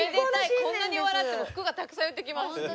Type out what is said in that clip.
こんなに笑ってもう福がたくさん寄ってきます。